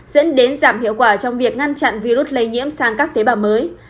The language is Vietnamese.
dẫn đến giảm hiệu quả trong việc ngăn chặn virus lây nhiễm sang các tế bào mới